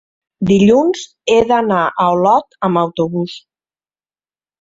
dilluns he d'anar a Olot amb autobús.